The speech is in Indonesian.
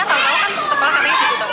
tahu tahu kan sekolah katanya gitu